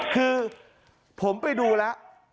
คือผมไปดูแล้ว